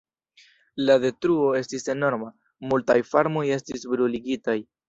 La detruo estis enorma; multaj farmoj estis bruligitaj.